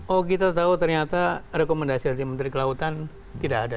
oh kita tahu ternyata rekomendasi dari menteri kelautan tidak ada